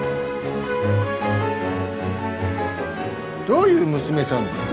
どういう娘さんです？